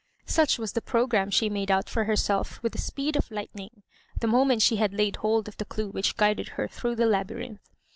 Such was the programme she made out for herself with the speed of lightning, the moment she had laid hold of the due which guided her through the laby rinth.